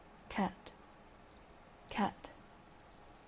… Cat!… Cat!